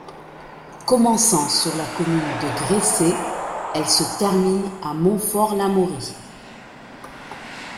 Commençant sur la commune de Gressey, elle se termine à Montfort-l'Amaury.